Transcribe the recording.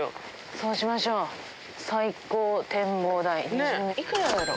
そうしましょう最高展望台いくらだろう？